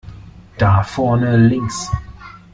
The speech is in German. Da vorne links!